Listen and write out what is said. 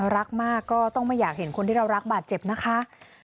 รักมากก็ต้องไม่อยากเห็นคนที่เรารักบาดเจ็บนะคะ